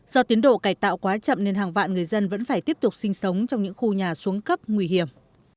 do tiến độ cải tạo quá chậm nên hàng vạn người dân vẫn phải tiếp tục sinh sống trong những khu nhà xuống cấp nguy hiểm